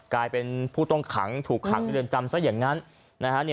กลายเป็นผู้ต้องขังถูกขังในเรือนจำซะอย่างนั้นนะฮะ